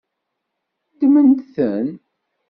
Ddmemt-ten.